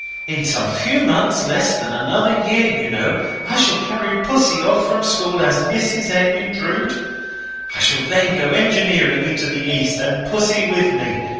In some few months less than another year, you know, I shall carry Pussy off from school as Mrs. Edwin Drood. I shall then go engineering into the East, and Pussy with me.